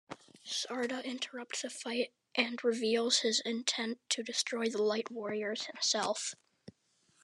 Sarda interrupts the fight and reveals his intent to destroy the Light Warriors himself.